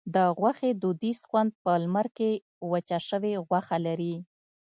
د غوښې دودیز خوند په لمر کې وچه شوې غوښه لري.